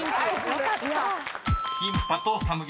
よかった。